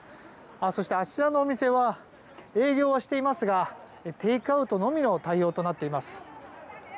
そして、あちらのお店は営業はしていますがテイクアウトのみの対応となっています。